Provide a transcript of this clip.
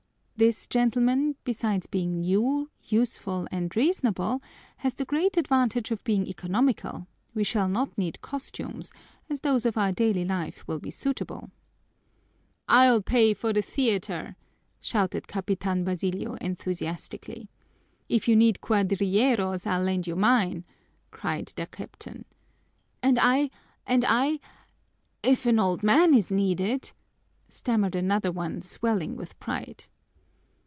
This, gentlemen, besides being new, useful, and reasonable, has the great advantage of being economical; we shall not need costumes, as those of our daily life will be suitable." "I'll pay for the theater!" shouted Capitan Basilio enthusiastically. "If you need cuadrilleros, I'll lend you mine," cried their captain. "And I and I if art old man is needed " stammered another one, swelling with pride.